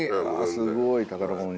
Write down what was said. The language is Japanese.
すごい！